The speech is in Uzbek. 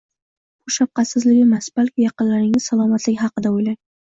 Bu shafqatsizlik emas, balki yaqinlaringiz salomatligi haqida o'ylang